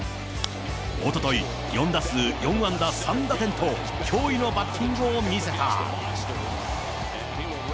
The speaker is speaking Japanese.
おととい、４打数４安打３打点と驚異のバッティングを見せた。